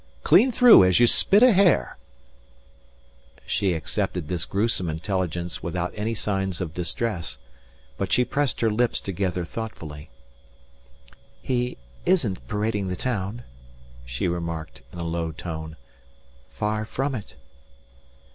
Clean through as you spit a hare." She accepted this gruesome intelligence without any signs of distress. But she pressed her lips together thoughtfully. "He isn't parading the town," she remarked, in a low tone. "Far from it."